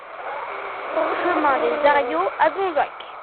Chemin des Ariaux à Donzac